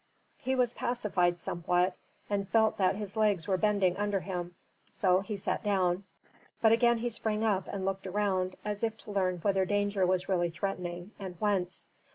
He was pacified somewhat and felt that his legs were bending under him; so he sat down. But again he sprang up and looked around, as if to learn whether danger was really threatening, and whence.